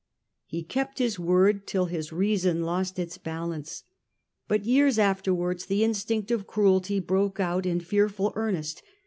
He kept his word till his reason lost its balance. But years afterwards the instinct of cruelty broke out in fearful earnest.